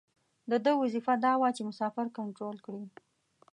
د ده وظیفه دا وه چې مسافر کنترول کړي.